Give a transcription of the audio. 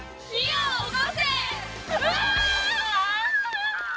うわ！